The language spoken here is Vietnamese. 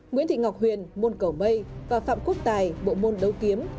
nguyễn thị ngọc huyền môn cầu mây và phạm quốc tài bộ môn đấu kiếm